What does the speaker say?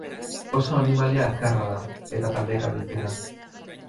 Oso animalia azkarra da, eta taldeka bizi da.